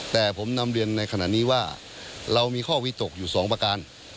แต่ผมนำเรียนในขณะนี้ว่าเรามีข้อวิตกอยู่สองประการ